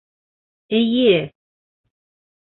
Эйе!